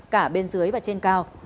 cả bên dưới và trên cao